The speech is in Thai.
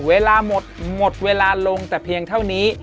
เวลาหมดหมดเวลาลงแต่เพียงเท่านี้